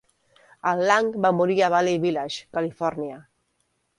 En Lang va morir a Valley Village, Califòrnia.